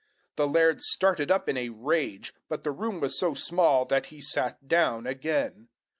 The laird started up in a rage, but the room was so small that he sat down again.